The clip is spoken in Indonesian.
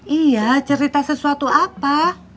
iya cerita sesuatu apa